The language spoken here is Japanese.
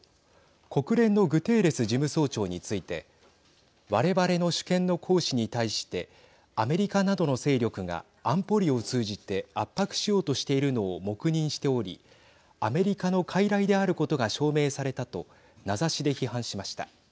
国連のグテーレス事務総長について我々の主権の行使に対してアメリカなどの勢力が安保理を通じて圧迫しようとしているのを黙認しておりアメリカのかいらいであることが証明されたと名指しで批判しました。